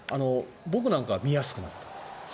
僕なんかは見やすくなった。